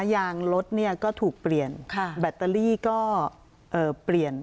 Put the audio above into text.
ยางรถเนี่ยก็ถูกเปลี่ยนแบตเตอรี่ก็เปลี่ยน